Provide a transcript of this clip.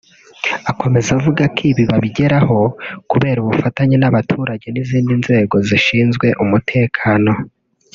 Akomeza avuga ko ibi babigeraho kubera ubufatanye n’abaturage n’izindi nzego zishinzwe umutekano